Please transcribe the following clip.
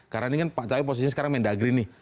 karena ini kan pak cahyo posisinya sekarang mendagri nih